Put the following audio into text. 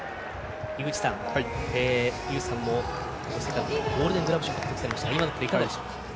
井口さんもゴールデン・グラブ賞を獲得されましたが今のプレーいかがでしょう？